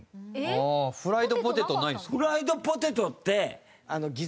フライドポテトって。